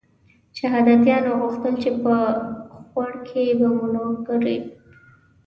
شهادیانو غوښتل چې په خوړ کې بمونه وکري.